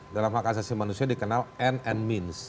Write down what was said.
dalam hak asasi manusia dikenal end and means